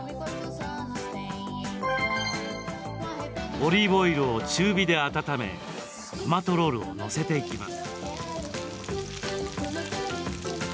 オリーブオイルを中火で温めトマトロールを載せていきます。